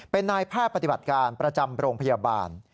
เป็นนายแพทย์ปฏิบัติการประจำโรงพยาบาล